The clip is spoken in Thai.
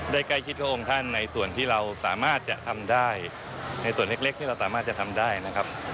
ใกล้ชิดพระองค์ท่านในส่วนที่เราสามารถจะทำได้ในส่วนเล็กที่เราสามารถจะทำได้นะครับ